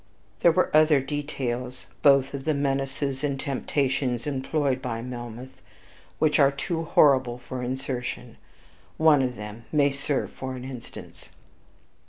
(There were other details, both of the menaces and temptations employed by Melmoth, which are too horrible for insertion. One of them may serve for an instance.)